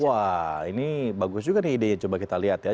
wah ini bagus juga nih idenya coba kita lihat ya